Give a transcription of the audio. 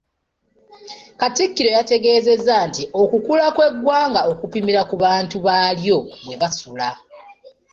Katikkiro yategeezezza nti, ‘Okukula kw'eggwanga okupimira ku bantu baalyo bwe basula.